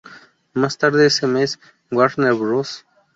Más tarde ese mes, Warner Bros.